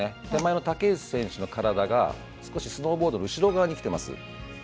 手前の竹内選手の体が少しスノーボードの後ろ側にきてます。